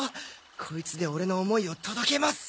こいつでオレの思いを届けます！